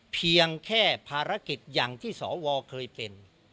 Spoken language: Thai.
เพียงแค่ภารกิจอย่างที่สวเคยเป็น